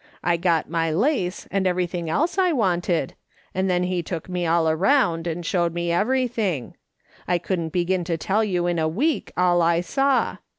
I got my lace and everything else I wanted, and then he took me all around and showed me everything. I couldn't begin to tell you in a week all I saw.